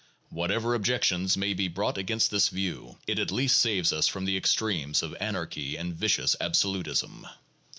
Whatever objections may be brought against this view, it at least saves us from the extremes of anarchy and vicious absolutism.